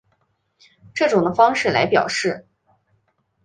这种的方式来表示。